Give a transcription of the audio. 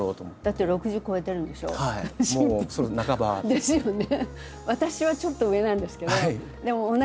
ですよね？